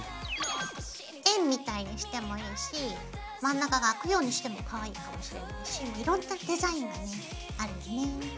円みたいにしてもいいし真ん中が空くようにしてもかわいいかもしれないしいろんなデザインがねあるね。